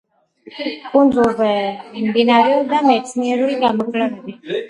კუნძულზე მიმდინარეობდა მეცნიერული გამოკვლევები.